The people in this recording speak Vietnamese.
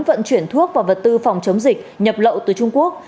vận chuyển thuốc và vật tư phòng chống dịch nhập lậu từ trung quốc